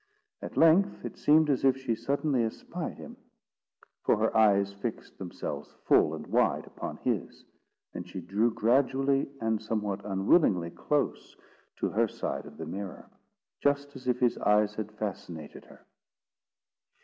At length it seemed as if she suddenly espied him; for her eyes fixed themselves full and wide upon his, and she drew gradually, and somewhat unwillingly, close to her side of the mirror, just as if his eyes had fascinated her.